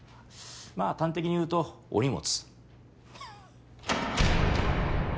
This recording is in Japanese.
まぁ端的に言うとお荷物。